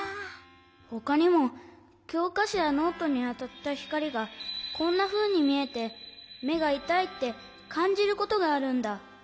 ほかにもきょうかしょやノートにあたったひかりがこんなふうにみえてめがいたいってかんじることがあるんだ。